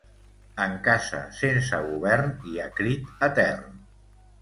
En casa sense govern hi ha crit etern.